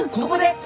ここで！？